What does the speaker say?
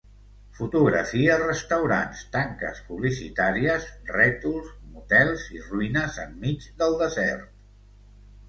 Fotografia restaurants, tanques publicitàries, rètols, motels i ruïnes en mig del desert.